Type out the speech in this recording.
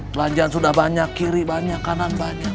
pelanjaan sudah banyak kiri banyak kanan banyak